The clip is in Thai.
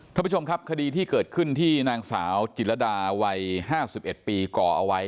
ท่านผู้ชมครับคดีที่เกิดขึ้นที่นางสาวจิรดาวัย๕๑ปีก่อเอาไว้